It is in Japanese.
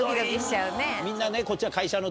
みんなねこっちは。